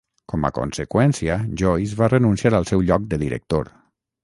Com a conseqüència, Joyce va renunciar al seu lloc de director.